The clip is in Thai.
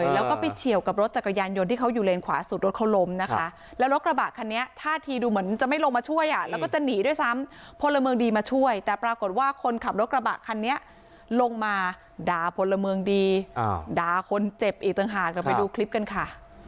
แล้วรถกระบะคันนี้ท่าทีดูเหมือนจะไม่ลงมาช่วยอ่ะแล้วก็จะหนีด้วยซ้ำพลเมิงดีมาช่วยแต่ปรากฏว่าคนขับรถกระบะคันนี้ลงมาด่าพลเมิงดีด่าคนเจ็บอีกต่างหากเราไปดูคลิปกันค่ะ